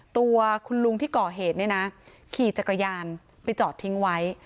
ตัวคุณลุงที่ก่อเหตุเนี่ยนะขี่จักรยานไปจอดทิ้งไว้